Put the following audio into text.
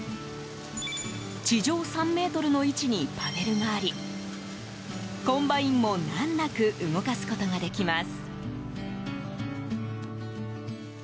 地上３ｍの位置にパネルがありコンバインも難なく動かすことができます。